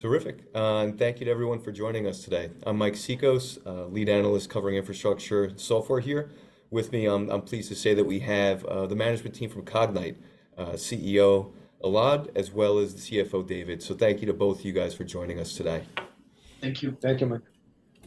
Terrific. Thank you to everyone for joining us today. I'm Mike Cikos, lead analyst covering infrastructure software here. With me, I'm pleased to say that we have the management team from Cognyte, CEO Elad, as well as the CFO, David. So thank you to both of you guys for joining us today. Thank you. Thank you, Mike.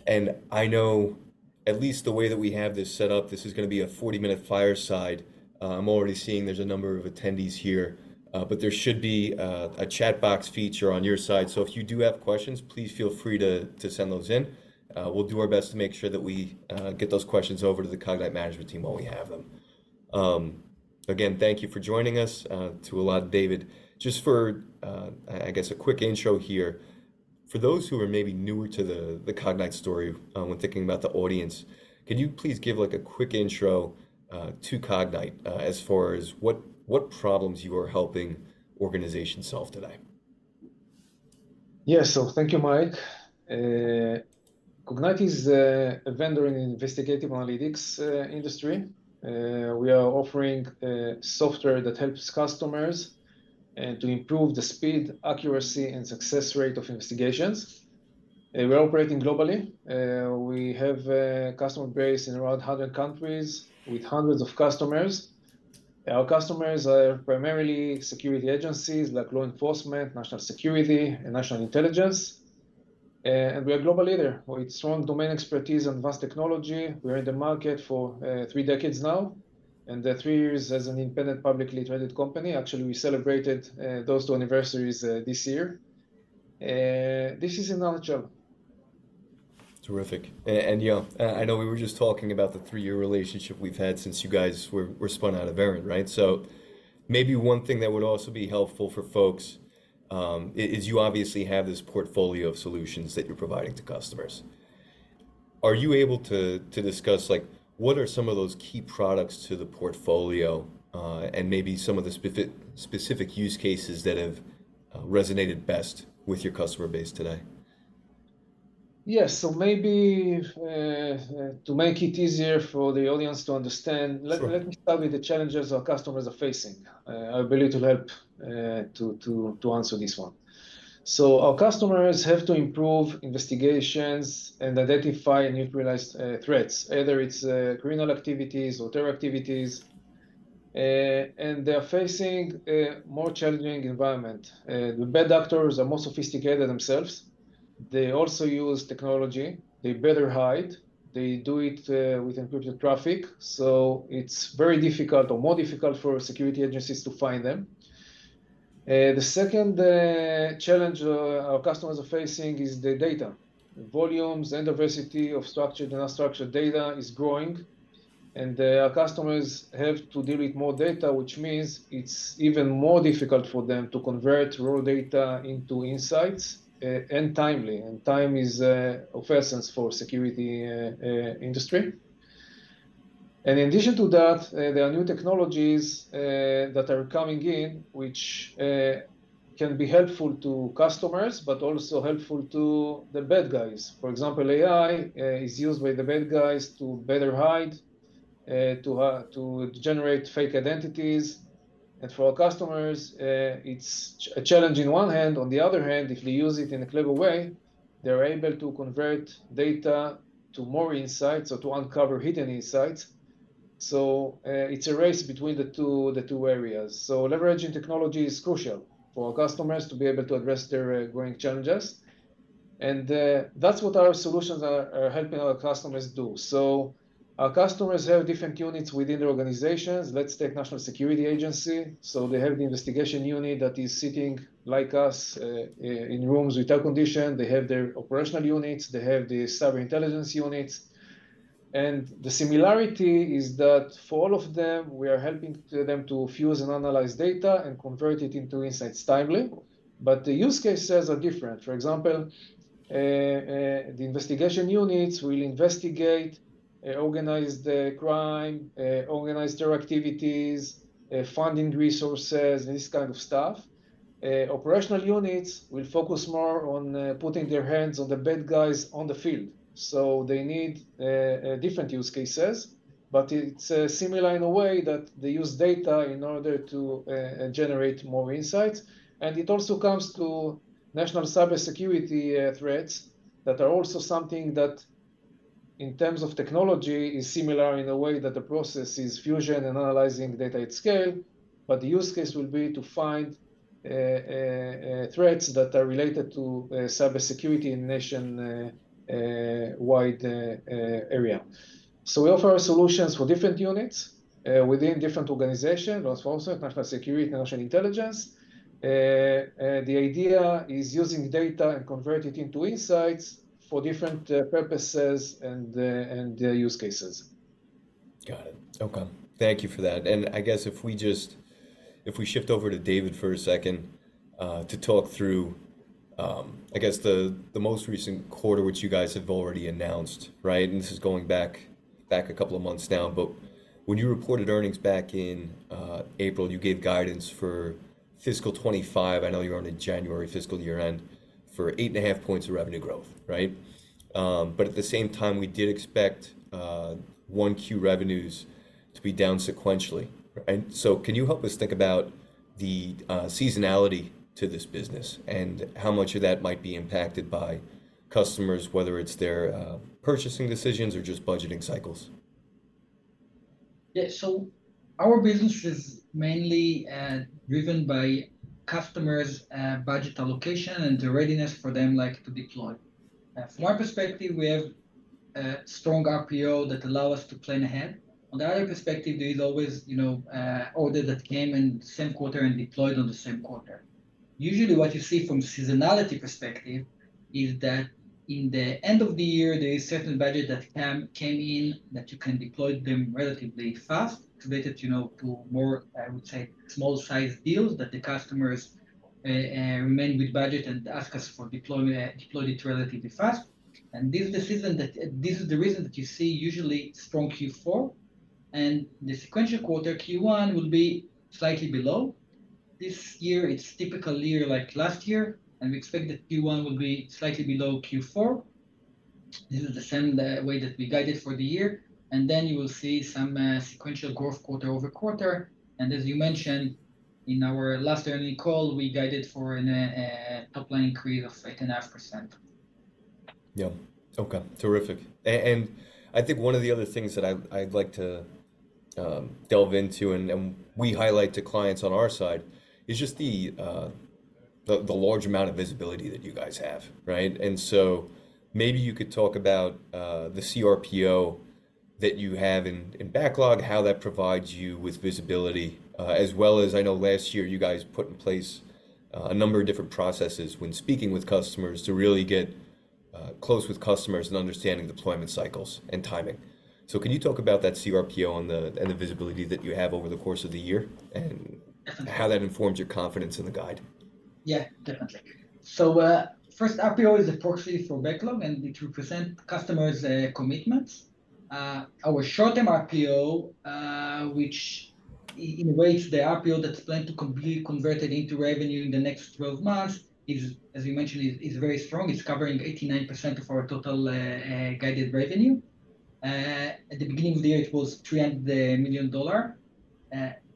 And I know at least the way that we have this set up, this is gonna be a 40-minute fireside. I'm already seeing there's a number of attendees here, but there should be a chat box feature on your side. So if you do have questions, please feel free to send those in. We'll do our best to make sure that we get those questions over to the Cognyte management team while we have them. Again, thank you for joining us, to Elad, David. Just for, I guess, a quick intro here. For those who are maybe newer to the Cognyte story, when thinking about the audience, can you please give, like, a quick intro to Cognyte, as far as what problems you are helping organizations solve today? Yeah. So thank you, Mike. Cognyte is a vendor in the investigative analytics industry. We are offering software that helps customers to improve the speed, accuracy, and success rate of investigations. We're operating globally. We have a customer base in around 100 countries, with hundreds of customers. Our customers are primarily security agencies like law enforcement, national security, and national intelligence. And we are a global leader with strong domain expertise and vast technology. We are in the market for 3 decades now, and 3 years as an independent, publicly traded company. Actually, we celebrated those two anniversaries this year. This is another job. Terrific. And, yeah, I know we were just talking about the three-year relationship we've had since you guys were spun out of Verint, right? So maybe one thing that would also be helpful for folks is you obviously have this portfolio of solutions that you're providing to customers. Are you able to discuss, like, what are some of those key products to the portfolio and maybe some of the specific use cases that have resonated best with your customer base today? Yes. So maybe, to make it easier for the audience to understand- Sure... let me start with the challenges our customers are facing. Our ability to help to answer this one. So our customers have to improve investigations and identify and neutralize threats, whether it's criminal activities or terror activities, and they are facing a more challenging environment. The bad actors are more sophisticated themselves. They also use technology. They better hide. They do it with encrypted traffic, so it's very difficult or more difficult for security agencies to find them. The second challenge our customers are facing is the data. The volumes and diversity of structured and unstructured data is growing, and our customers have to deal with more data, which means it's even more difficult for them to convert raw data into insights and timely. Time is of essence for security industry. In addition to that, there are new technologies that are coming in, which can be helpful to customers, but also helpful to the bad guys. For example, AI is used by the bad guys to better hide, to generate fake identities, and for our customers, it's a challenge in one hand. On the other hand, if we use it in a clever way, they're able to convert data to more insights or to uncover hidden insights. So, it's a race between the two areas. So leveraging technology is crucial for our customers to be able to address their growing challenges, and that's what our solutions are helping our customers do. So our customers have different units within their organizations. Let's take National Security Agency. So they have the investigation unit that is sitting like us in rooms with air condition. They have their operational units, they have the cyber intelligence units, and the similarity is that for all of them, we are helping them to fuse and analyze data and convert it into insights timely. But the use cases are different. For example, the investigation units will investigate organized crime, organized terror activities, funding resources, and this kind of stuff. Operational units will focus more on putting their hands on the bad guys on the field. So they need different use cases, but it's similar in a way that they use data in order to generate more insights. It also comes to national cybersecurity threats that are also something that, in terms of technology, is similar in the way that the process is fusion and analyzing data at scale, but the use case will be to find threats that are related to cybersecurity in nationwide area. So we offer our solutions for different units within different organizations, law enforcement, national security, national intelligence. The idea is using the data and convert it into insights for different purposes and use cases. Got it. Okay, thank you for that. And I guess if we just, if we shift over to David for a second, to talk through, I guess the most recent quarter, which you guys have already announced, right? And this is going back, back a couple of months now, but when you reported earnings back in April, you gave guidance for fiscal 2025. I know you're on a January fiscal year end for 8.5 points of revenue growth, right? But at the same time, we did expect 1Q revenues to be down sequentially, right? And so can you help us think about the seasonality to this business and how much of that might be impacted by customers, whether it's their purchasing decisions or just budgeting cycles? Yeah. So our business is mainly, driven by customers', budget allocation and the readiness for them, like, to deploy. From one perspective, we have, strong RPO that allow us to plan ahead. On the other perspective, there is always, you know, order that came in the same quarter and deployed on the same quarter. Usually, what you see from seasonality perspective is that in the end of the year, there is certain budget that came in, that you can deploy them relatively fast, related, you know, to more, I would say, small-sized deals that the customers, remain with budget and ask us for deployment, deploy it relatively fast. And this is the season that, this is the reason that you see usually strong Q4, and the sequential quarter, Q1, will be slightly below. This year, it's a typical year like last year, and we expect that Q1 will be slightly below Q4. This is the same way that we guided for the year, and then you will see some sequential growth quarter over quarter. And as you mentioned, in our last earnings call, we guided for a top line increase of 8.5%. Yeah. Okay, terrific. And I think one of the other things that I'd like to delve into, and we highlight to clients on our side, is just the large amount of visibility that you guys have, right? And so maybe you could talk about the CRPO that you have in backlog, how that provides you with visibility. As well as I know last year, you guys put in place a number of different processes when speaking with customers to really get close with customers and understanding deployment cycles and timing. So can you talk about that CRPO and the visibility that you have over the course of the year, and how that informs your confidence in the guide? Yeah, definitely. So, first, RPO is a proxy for backlog, and it represent customers' commitments. Our short-term RPO, which in which the RPO that's planned to complete converted into revenue in the next 12 months, is, as you mentioned, very strong. It's covering 89% of our total guided revenue. At the beginning of the year, it was $300 million.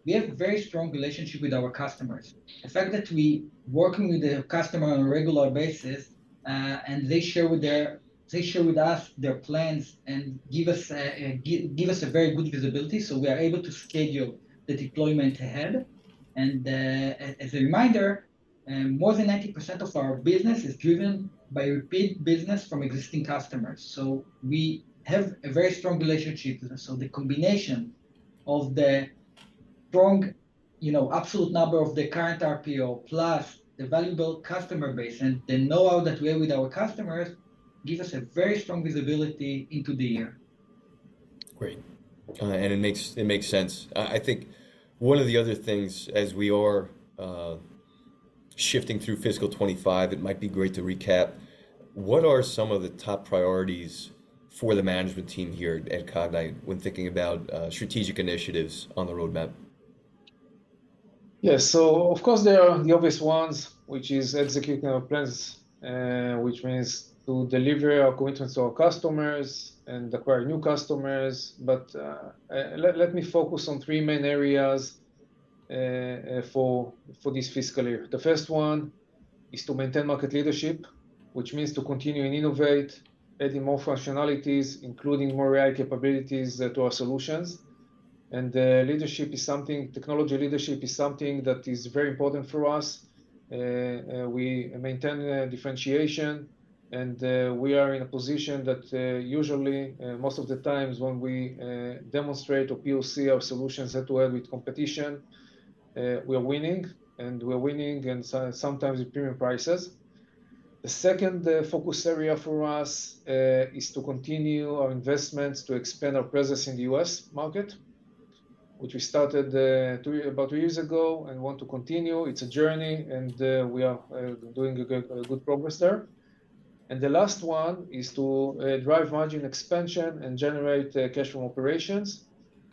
We have a very strong relationship with our customers. The fact that we working with the customer on a regular basis, and they share with us their plans and give us a very good visibility, so we are able to schedule the deployment ahead. As a reminder, more than 90% of our business is driven by repeat business from existing customers, so we have a very strong relationship with them. So the combination of the strong, you know, absolute number of the current RPO, plus the valuable customer base and the know-how that we have with our customers, gives us a very strong visibility into the year. Great. And it makes, it makes sense. I think one of the other things as we are shifting through fiscal 2025, it might be great to recap, what are some of the top priorities for the management team here at Cognyte when thinking about strategic initiatives on the roadmap? Yes. So of course, there are the obvious ones, which is executing our plans, which means to deliver our commitments to our customers and acquire new customers. But, let me focus on three main areas, for this fiscal year. The first one is to maintain market leadership, which means to continue and innovate, adding more functionalities, including more AI capabilities to our solutions. And, leadership is something... technology leadership is something that is very important for us. We maintain differentiation, and we are in a position that, usually, most of the times when we demonstrate or POC our solutions that work with competition, we are winning, and we are winning, and so sometimes with premium prices. The second focus area for us is to continue our investments to expand our presence in the U.S. market, which we started 2 year, about 2 years ago and want to continue. It's a journey, and we are doing a good progress there. The last one is to drive margin expansion and generate cash from operations.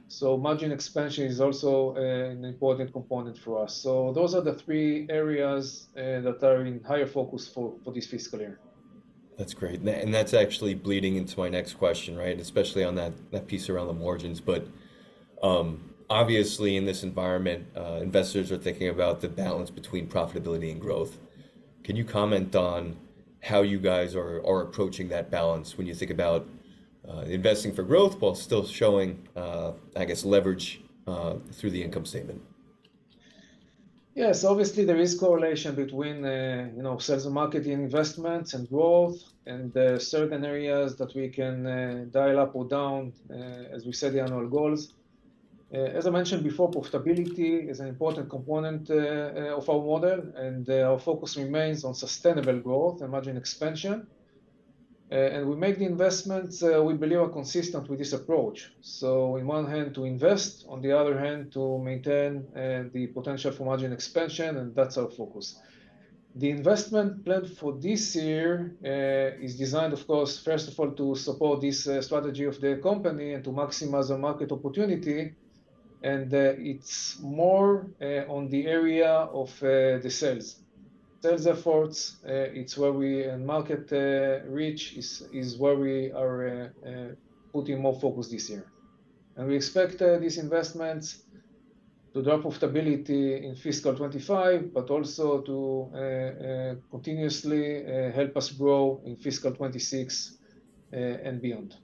So margin expansion is also an important component for us. So those are the three areas that are in higher focus for this fiscal year. That's great. That's actually bleeding into my next question, right? Especially on that piece around the margins. But, obviously, in this environment, investors are thinking about the balance between profitability and growth. Can you comment on how you guys are approaching that balance when you think about investing for growth while still showing, I guess, leverage through the income statement? Yes, obviously, there is correlation between, you know, sales and marketing investments and growth, and there are certain areas that we can dial up or down as we set the annual goals. As I mentioned before, profitability is an important component of our model, and our focus remains on sustainable growth and margin expansion. And we make the investments we believe are consistent with this approach. So on one hand, to invest, on the other hand, to maintain the potential for margin expansion, and that's our focus. The investment plan for this year is designed, of course, first of all, to support this strategy of the company and to maximize the market opportunity, and it's more on the area of the sales.... sales efforts, it's where we end-market reach is where we are putting more focus this year. And we expect these investments to drop profitability in fiscal 2025, but also to continuously help us grow in fiscal 2026 and beyond.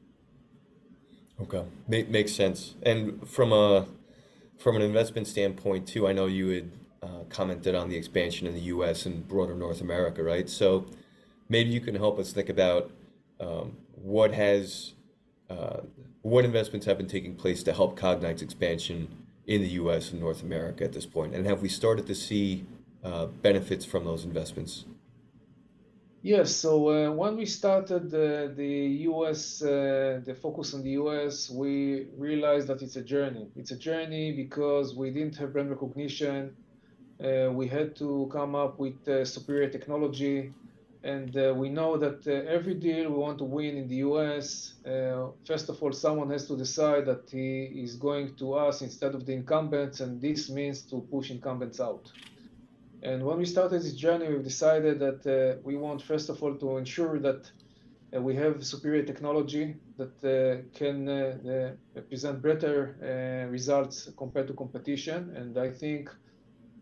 Okay. Makes sense. And from an investment standpoint too, I know you had commented on the expansion in the U.S. and broader North America, right? So maybe you can help us think about what investments have been taking place to help Cognyte's expansion in the U.S. and North America at this point, and have we started to see benefits from those investments? Yes. So, when we started the focus on the US, we realized that it's a journey. It's a journey because we didn't have brand recognition. We had to come up with a superior technology, and we know that every deal we want to win in the US, first of all, someone has to decide that he is going to us instead of the incumbents, and this means to push incumbents out. And when we started this journey, we decided that we want, first of all, to ensure that we have superior technology that can present better results compared to competition. And I think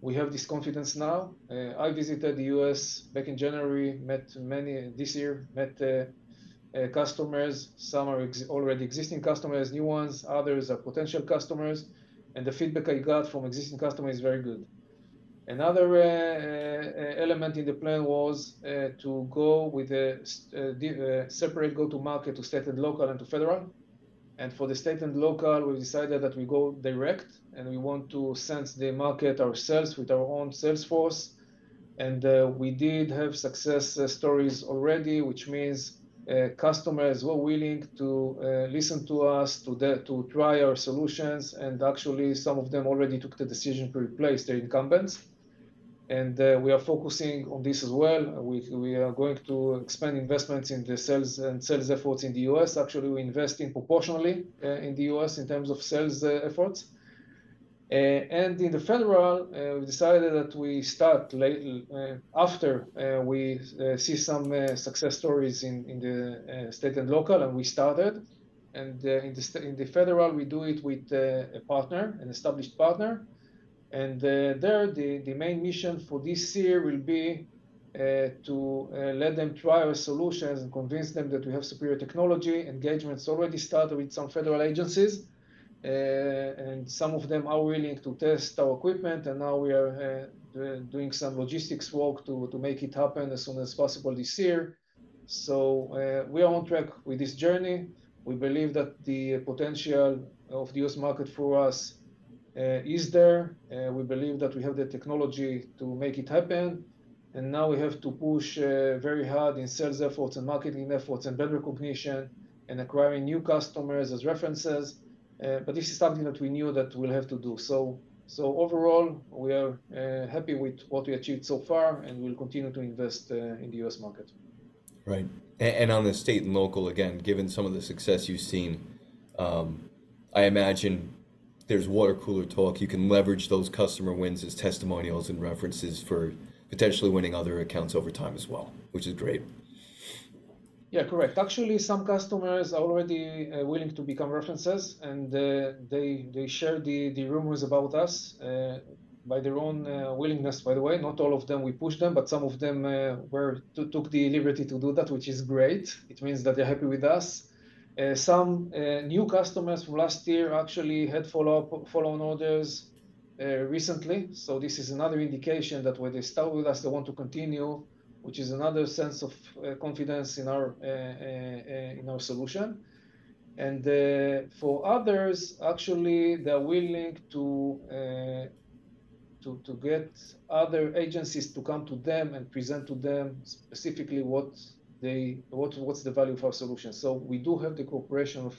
we have this confidence now. I visited the US back in January this year, met customers. Some are already existing customers, new ones, others are potential customers, and the feedback I got from existing customers is very good. Another element in the plan was to go with the separate go-to-market to state and local and to federal. And for the state and local, we decided that we go direct, and we want to sense the market ourselves with our own sales force. And we did have success stories already, which means customers were willing to listen to us, to try our solutions, and actually, some of them already took the decision to replace their incumbents. And we are focusing on this as well. We are going to expand investments in the sales and sales efforts in the US. Actually, we're investing proportionally in the U.S. in terms of sales efforts. And in the federal, we decided that we start lately after we see some success stories in the state and local, and we started. And in the federal, we do it with a partner, an established partner. And there, the main mission for this year will be to let them try our solutions and convince them that we have superior technology. Engagement's already started with some federal agencies, and some of them are willing to test our equipment, and now we are doing some logistics work to make it happen as soon as possible this year. So, we are on track with this journey. We believe that the potential of the U.S. market for us is there. We believe that we have the technology to make it happen, and now we have to push very hard in sales efforts and marketing efforts and brand recognition and acquiring new customers as references. But this is something that we knew that we'll have to do. So overall, we are happy with what we achieved so far, and we'll continue to invest in the U.S. market. Right. And on the state and local, again, given some of the success you've seen, I imagine there's water cooler talk. You can leverage those customer wins as testimonials and references for potentially winning other accounts over time as well, which is great. Yeah, correct. Actually, some customers are already willing to become references, and they share the rumors about us by their own willingness. By the way, not all of them, we push them, but some of them took the liberty to do that, which is great. It means that they're happy with us. Some new customers from last year actually had follow-up, follow-on orders recently. So this is another indication that when they start with us, they want to continue, which is another sense of confidence in our solution. And for others, actually, they're willing to get other agencies to come to them and present to them specifically what's the value of our solution. So we do have the cooperation of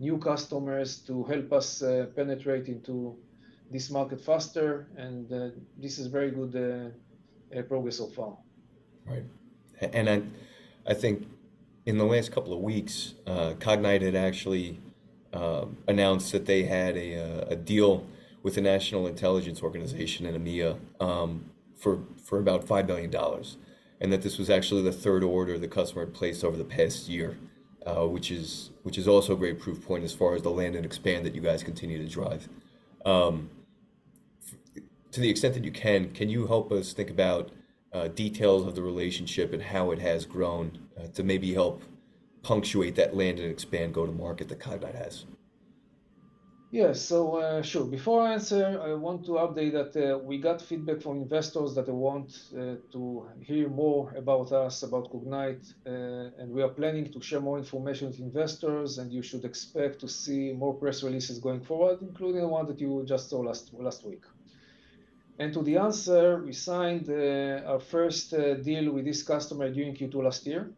new customers to help us penetrate into this market faster, and this is very good progress so far. Right. And I think in the last couple of weeks, Cognyte had actually announced that they had a deal with the National Intelligence Organization in EMEA, for about $5 million, and that this was actually the third order the customer had placed over the past year, which is also a great proof point as far as the land and expand that you guys continue to drive. To the extent that you can, can you help us think about details of the relationship and how it has grown, to maybe help punctuate that land and expand go-to-market that Cognyte has? Yeah. So, sure. Before I answer, I want to update that, we got feedback from investors that want to hear more about us, about Cognyte, and we are planning to share more information with investors, and you should expect to see more press releases going forward, including the one that you just saw last week. To the answer, we signed our first deal with this customer during Q2 last year.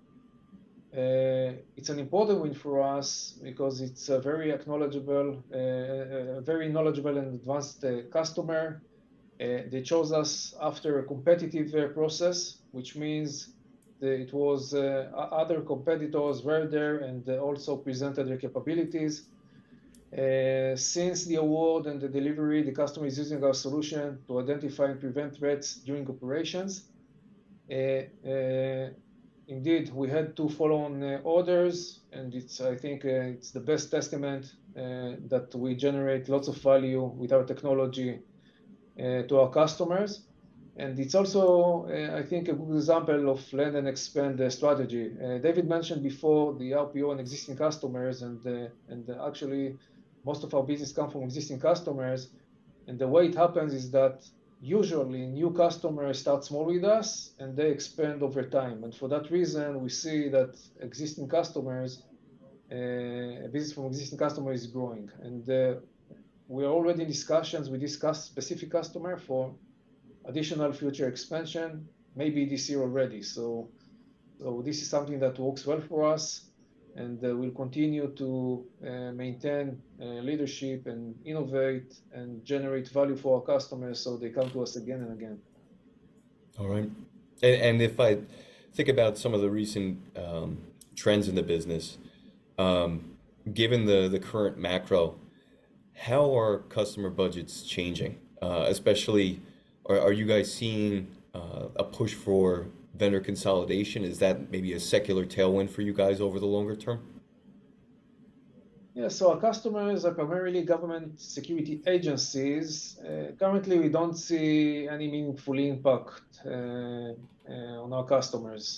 It's an important win for us because it's a very acknowledged, very knowledgeable and advanced customer. They chose us after a competitive process, which means that it was other competitors were there, and they also presented their capabilities. Since the award and the delivery, the customer is using our solution to identify and prevent threats during operations. Indeed, we had two follow-on orders, and it's, I think, it's the best testament that we generate lots of value with our technology to our customers. And it's also, I think, a good example of learn and expand strategy. David mentioned before the RPO and existing customers, and actually, most of our business come from existing customers. And the way it happens is that usually new customers start small with us, and they expand over time. And for that reason, we see that existing customers business from existing customer is growing. And we are already in discussions. We discussed specific customer for additional future expansion, maybe this year already. So, this is something that works well for us, and we'll continue to maintain leadership and innovate and generate value for our customers, so they come to us again and again. All right. And if I think about some of the recent trends in the business, given the current macro, how are customer budgets changing? Especially, are you guys seeing a push for vendor consolidation? Is that maybe a secular tailwind for you guys over the longer term? Yeah. So our customers are primarily government security agencies. Currently, we don't see any meaningful impact on our customers'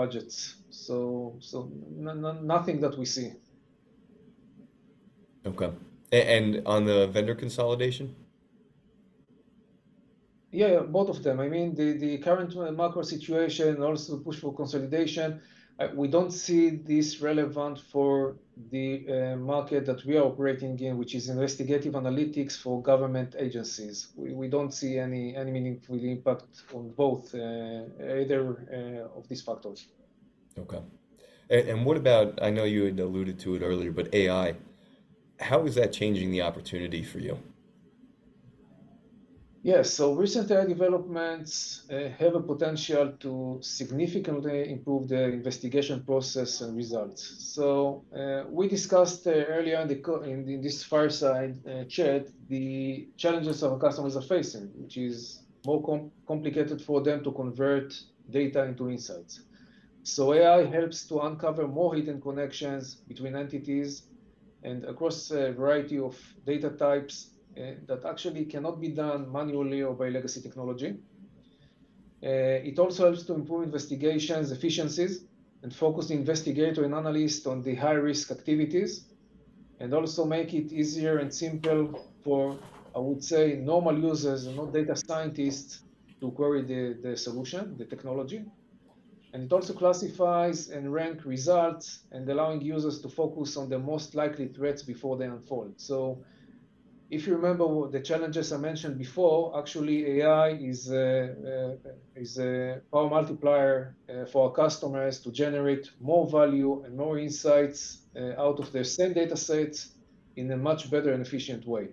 budgets. So, no, nothing that we see. Okay. And on the vendor consolidation? Yeah, both of them. I mean, the current macro situation, also the push for consolidation, we don't see this relevant for the market that we are operating in, which is investigative analytics for government agencies. We don't see any meaningful impact on both, either, of these factors. Okay. And what about, I know you had alluded to it earlier, but AI, how is that changing the opportunity for you? Yes. So recent AI developments have a potential to significantly improve the investigation process and results. So, we discussed earlier in, in this Fireside chat, the challenges our customers are facing, which is more complicated for them to convert data into insights. So AI helps to uncover more hidden connections between entities and across a variety of data types, that actually cannot be done manually or by legacy technology. It also helps to improve investigations efficiencies and focus the investigator and analyst on the high-risk activities, and also make it easier and simple for, I would say, normal users and not data scientists, to query the solution, the technology. And it also classifies and rank results, and allowing users to focus on the most likely threats before they unfold. So if you remember the challenges I mentioned before, actually, AI is a power multiplier for our customers to generate more value and more insights out of their same data sets in a much better and efficient way.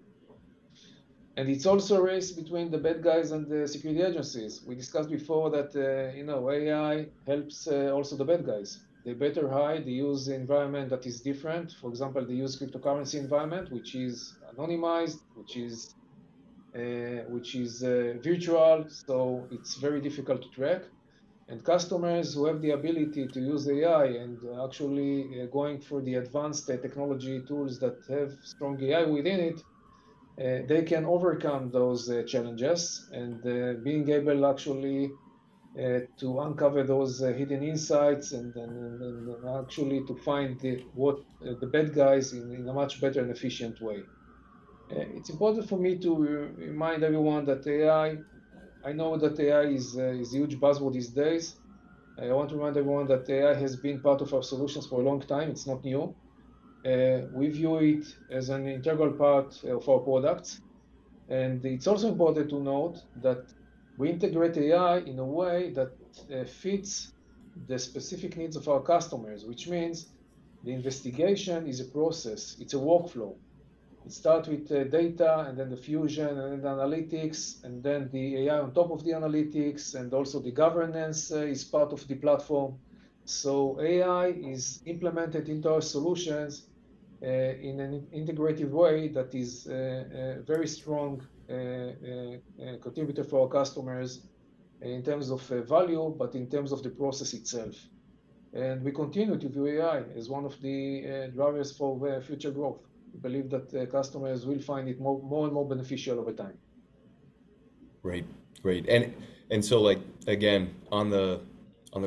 And it's also a race between the bad guys and the security agencies. We discussed before that, you know, AI helps also the bad guys. They better hide. They use environment that is different. For example, they use cryptocurrency environment, which is anonymized, which is virtual, so it's very difficult to track. Customers who have the ability to use AI and actually going for the advanced technology tools that have strong AI within it, they can overcome those challenges, and being able actually to uncover those hidden insights, and then actually to find the bad guys in a much better and efficient way. It's important for me to remind everyone that AI, I know that AI is a huge buzzword these days. I want to remind everyone that AI has been part of our solutions for a long time. It's not new. We view it as an integral part of our products, and it's also important to note that we integrate AI in a way that fits the specific needs of our customers, which means the investigation is a process, it's a workflow. It starts with data and then the fusion and analytics, and then the AI on top of the analytics, and also the governance is part of the platform. So AI is implemented into our solutions in an integrated way that is a very strong contributor for our customers in terms of value, but in terms of the process itself. And we continue to view AI as one of the drivers for future growth. We believe that customers will find it more and more beneficial over time. Great. Great. And so, like, again, on the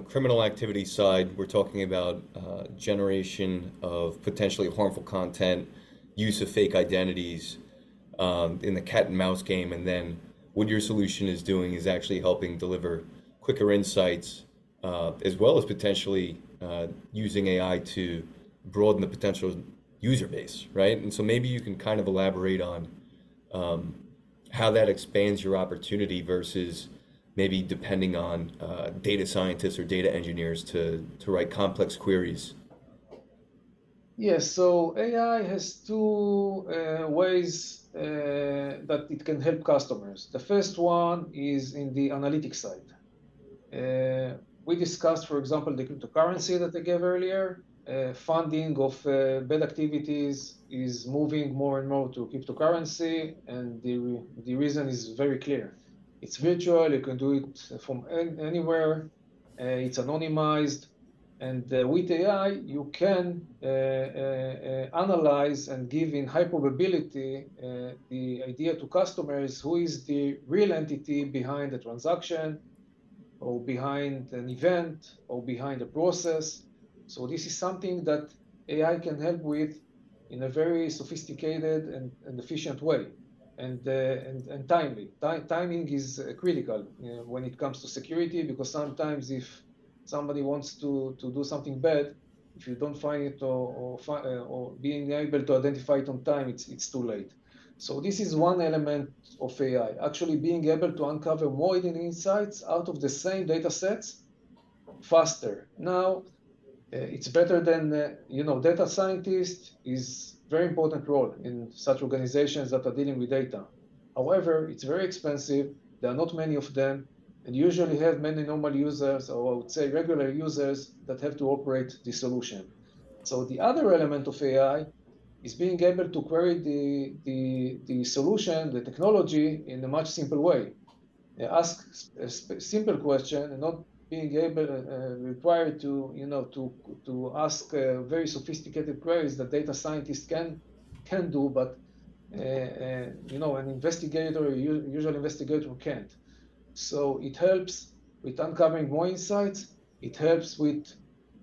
criminal activity side, we're talking about generation of potentially harmful content, use of fake identities, in the cat and mouse game, and then what your solution is doing is actually helping deliver quicker insights, as well as potentially using AI to broaden the potential user base, right? And so maybe you can kind of elaborate on how that expands your opportunity versus maybe depending on data scientists or data engineers to write complex queries. Yes. So AI has two ways that it can help customers. The first one is in the analytics side. We discussed, for example, the cryptocurrency that I gave earlier. Funding of bad activities is moving more and more to cryptocurrency, and the reason is very clear. It's virtual, you can do it from anywhere, it's anonymized, and with AI, you can analyze and give in high probability the idea to customers, who is the real entity behind the transaction or behind an event or behind a process? So this is something that AI can help with in a very sophisticated and efficient way, and timely. Timing is critical when it comes to security, because sometimes if somebody wants to do something bad, if you don't find it or being able to identify it on time, it's too late. So this is one element of AI, actually being able to uncover more hidden insights out of the same datasets faster. Now, it's better than, you know, data scientist is very important role in such organizations that are dealing with data. However, it's very expensive, there are not many of them, and usually have many normal users, or I would say, regular users that have to operate the solution. So the other element of AI is being able to query the solution, the technology in a much simple way. Ask a simple question and not being able, required to, you know, to ask very sophisticated queries that data scientists can do, but you know, an investigator, usual investigator can't. So it helps with uncovering more insights, it helps with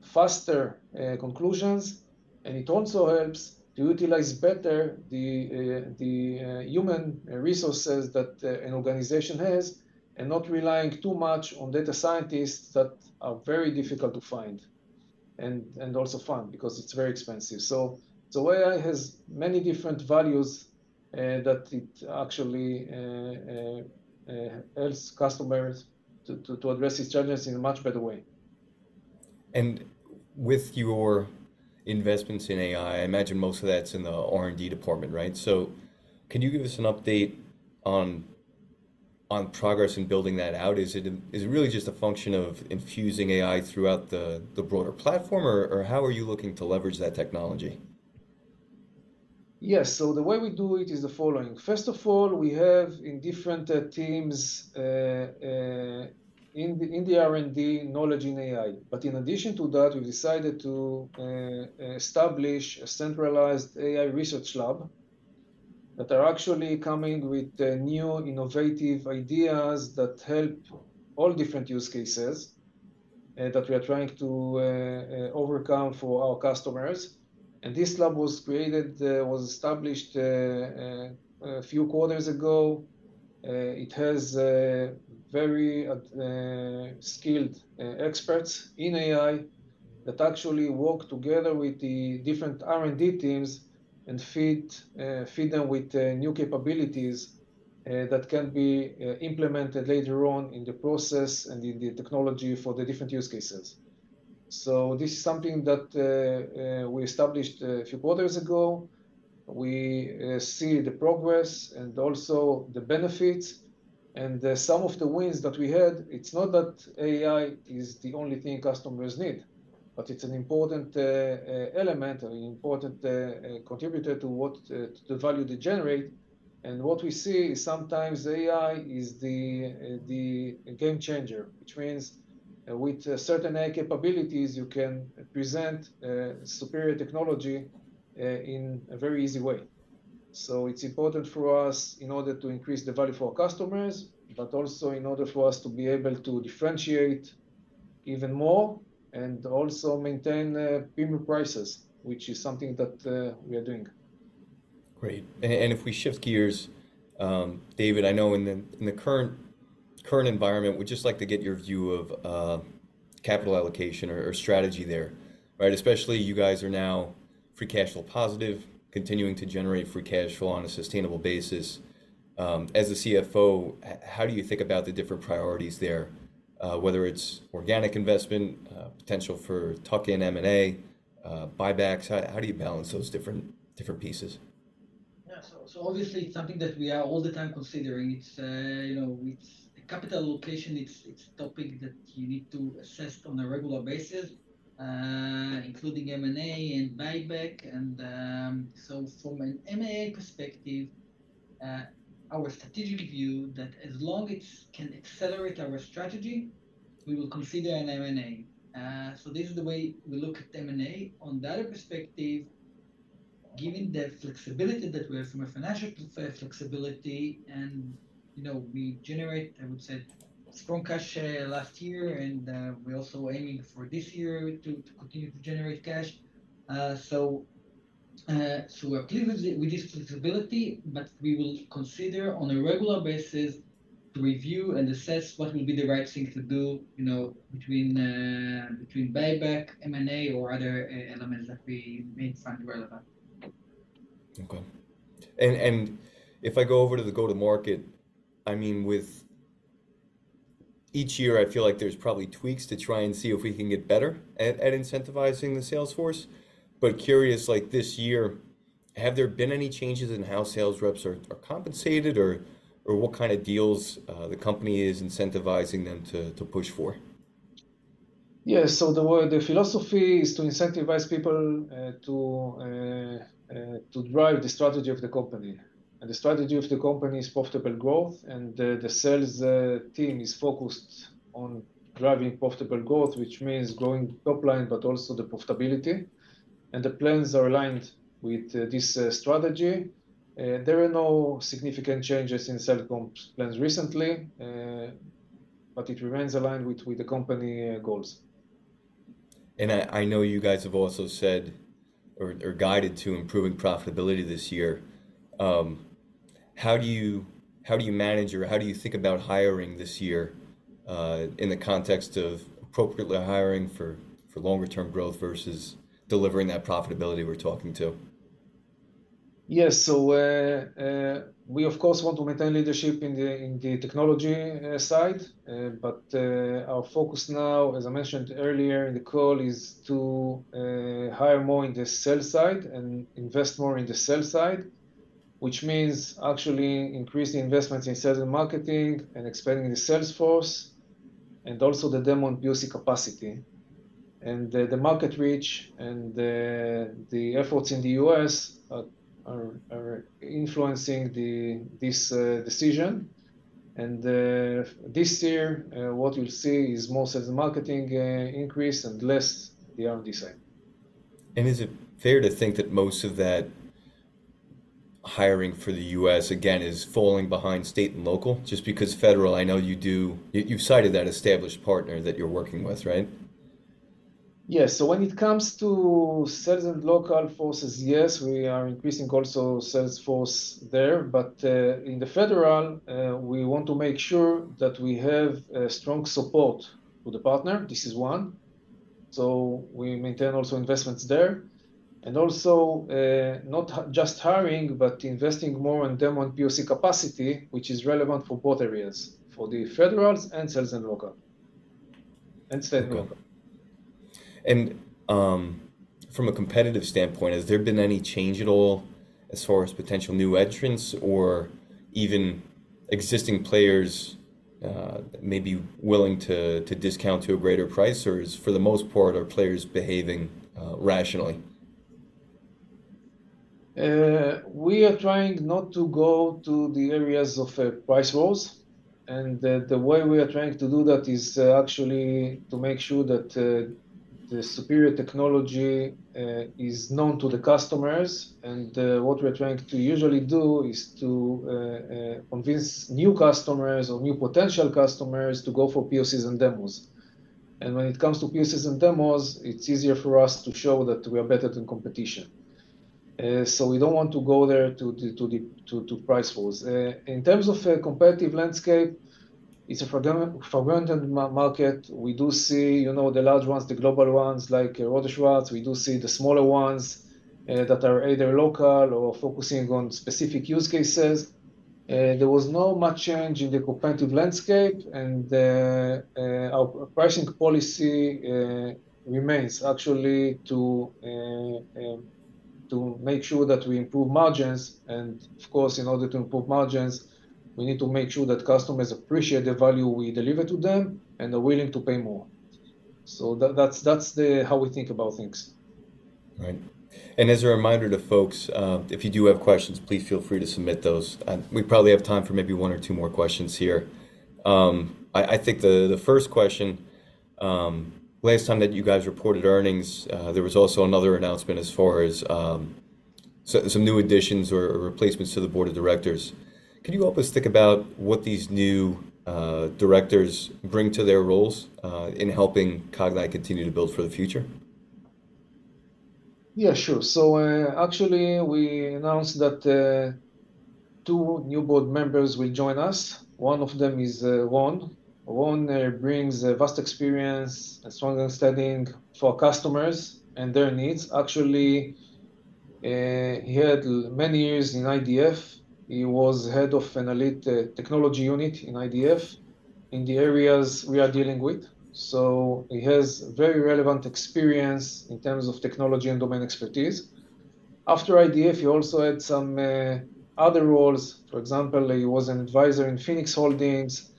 faster conclusions, and it also helps to utilize better the human resources that an organization has, and not relying too much on data scientists that are very difficult to find and also fund, because it's very expensive. So AI has many different values that it actually helps customers to address these challenges in a much better way. With your investments in AI, I imagine most of that's in the R&D department, right? So can you give us an update on progress in building that out? Is it really just a function of infusing AI throughout the broader platform, or how are you looking to leverage that technology? Yes. So the way we do it is the following: first of all, we have in different teams in the R&D knowledge in AI. But in addition to that, we decided to establish a centralized AI research lab, that are actually coming with new, innovative ideas that help all different use cases that we are trying to overcome for our customers. And this lab was created, was established a few quarters ago. It has very skilled experts in AI that actually work together with the different R&D teams and feed feed them with new capabilities that can be implemented later on in the process and in the technology for the different use cases. So this is something that we established a few quarters ago. We see the progress and also the benefits and some of the wins that we had. It's not that AI is the only thing customers need, but it's an important element and an important contributor to what to the value they generate. And what we see is sometimes AI is the the game changer, which means with certain AI capabilities, you can present superior technology in a very easy way. So it's important for us in order to increase the value for our customers, but also in order for us to be able to differentiate even more and also maintain premium prices, which is something that we are doing. Great. And if we shift gears, David, I know in the current environment, we'd just like to get your view of capital allocation or strategy there, right? Especially, you guys are now free cash flow positive, continuing to generate free cash flow on a sustainable basis. As the CFO, how do you think about the different priorities there? Whether it's organic investment, potential for tuck-in M&A, buybacks, how do you balance those different pieces? Yeah. So obviously, it's something that we are all the time considering. It's, you know, it's... Capital allocation, it's a topic that you need to assess on a regular basis, including M&A and buyback. And, so from an M&A perspective, our strategic view that as long it can accelerate our strategy, we will consider an M&A. So this is the way we look at M&A. On the other perspective, given the flexibility that we have from a financial, flexibility, and, you know, we generate, I would say, strong cash, last year, and, we're also aiming for this year to continue to generate cash. So, we are pleased with this flexibility, but we will consider on a regular basis to review and assess what will be the right thing to do, you know, between buyback, M&A, or other elements that we may find relevant. Okay. And if I go over to the go-to-market, I mean, with... Each year, I feel like there's probably tweaks to try and see if we can get better at incentivizing the sales force. But curious, like this year... Have there been any changes in how sales reps are compensated, or what kind of deals the company is incentivizing them to push for? Yeah, so the word, the philosophy is to incentivize people to drive the strategy of the company. And the strategy of the company is profitable growth, and the sales team is focused on driving profitable growth, which means growing the top line, but also the profitability. And the plans are aligned with this strategy. There are no significant changes in sales comp plans recently, but it remains aligned with the company goals. I know you guys have also said or guided to improving profitability this year. How do you manage, or how do you think about hiring this year, in the context of appropriately hiring for longer term growth versus delivering that profitability we're talking to? Yes. So, we of course want to maintain leadership in the technology side, but our focus now, as I mentioned earlier in the call, is to hire more in the sales side and invest more in the sales side, which means actually increasing investments in sales and marketing and expanding the sales force, and also the demo and POC capacity. And the market reach and the efforts in the US are influencing this decision. And this year, what you'll see is more sales and marketing increase, and less the R&D side. Is it fair to think that most of that hiring for the U.S., again, is falling behind state and local? Just because federal, I know you do... You've cited that established partner that you're working with, right? Yes. So when it comes to state and local forces, yes, we are increasing also sales force there, but in the federal, we want to make sure that we have a strong support for the partner. This is one. So we maintain also investments there. And also, not just hiring, but investing more on demo and POC capacity, which is relevant for both areas, for the federals and state and local, and state and local. From a competitive standpoint, has there been any change at all as far as potential new entrants or even existing players that may be willing to discount to a greater price, or for the most part, are players behaving rationally? We are trying not to go to the areas of price wars, and the way we are trying to do that is actually to make sure that the superior technology is known to the customers. What we are trying to usually do is to convince new customers or new potential customers to go for POCs and demos. When it comes to POCs and demos, it's easier for us to show that we are better than competition. So we don't want to go there to the price wars. In terms of a competitive landscape, it's a fragmented market. We do see, you know, the large ones, the global ones, like Rohde & Schwarz. We do see the smaller ones that are either local or focusing on specific use cases. There was not much change in the competitive landscape, and our pricing policy remains actually to make sure that we improve margins. And of course, in order to improve margins, we need to make sure that customers appreciate the value we deliver to them and are willing to pay more. So that, that's, that's the how we think about things. Right. And as a reminder to folks, if you do have questions, please feel free to submit those. We probably have time for maybe one or two more questions here. I think the first question, last time that you guys reported earnings, there was also another announcement as far as some new additions or replacements to the board of directors. Can you help us think about what these new directors bring to their roles, in helping Cognyte continue to build for the future? Yeah, sure. So, actually, we announced that two new board members will join us. One of them is Ron. Ron brings a vast experience, a strong understanding for our customers and their needs. Actually, he had many years in IDF. He was head of an elite technology unit in IDF, in the areas we are dealing with, so he has very relevant experience in terms of technology and domain expertise. After IDF, he also had some other roles. For example, he was an advisor in Phoenix Holdings,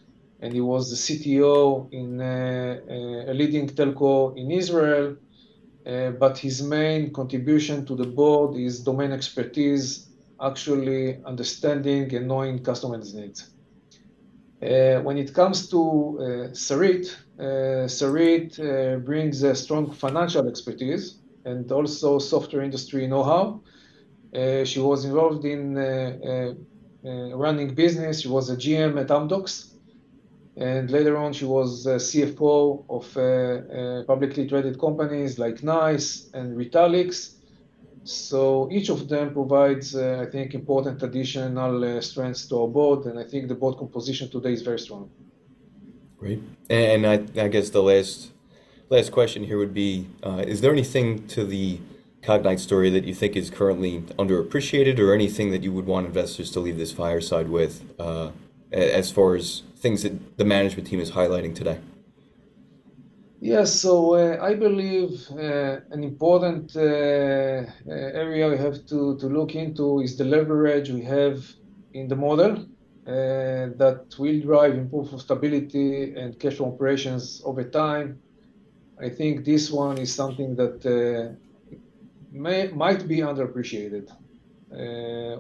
and he was the CTO in a leading telco in Israel. But his main contribution to the board is domain expertise, actually understanding and knowing customers' needs. When it comes to Sarit, Sarit brings a strong financial expertise and also software industry know-how. She was involved in running business. She was a GM at Amdocs, and later on, she was a CFO of a publicly traded companies like NICE and Retalix. So each of them provides, I think, important additional strengths to our board, and I think the board composition today is very strong. Great. And I guess the last question here would be, is there anything to the Cognyte story that you think is currently underappreciated, or anything that you would want investors to leave this fireside with, as far as things that the management team is highlighting today? Yes. So, I believe, an important area we have to look into is the leverage we have in the model, that will drive improvement of stability and cash operations over time. I think this one is something that might be underappreciated.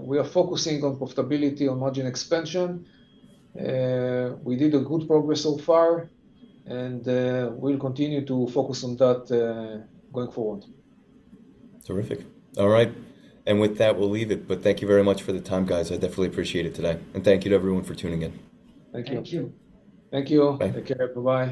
We are focusing on profitability and margin expansion. We did a good progress so far, and we'll continue to focus on that, going forward. Terrific. All right. And with that, we'll leave it. But thank you very much for the time, guys. I definitely appreciate it today, and thank you to everyone for tuning in. Thank you. Thank you. Thank you all. Bye. Take care. Bye-bye.